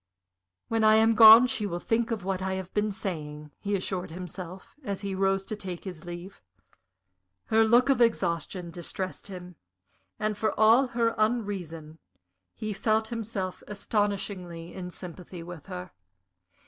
"When I am gone she will think of what I have been saying," he assured himself, and he rose to take his leave. Her look of exhaustion distressed him, and, for all her unreason, he felt himself astonishingly in sympathy with her.